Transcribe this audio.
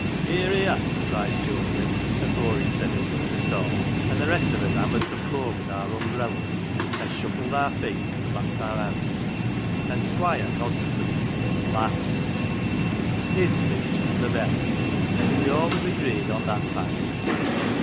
"' Hear, hear !' cries Joseph, afore he'd said a word at all ; and the rest of us hammered the floor with our umberellas, an' shuffled our feet and clapped our hands; an' Squire nods at us, an' laughs. 113 H POLITICS " His speech was the best ; we all was agreed on that pint.